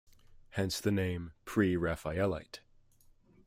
Hence the name "Pre-Raphaelite".